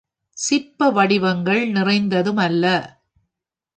சிற்ப வடிவங்கள் நிறைந்ததும் அல்ல.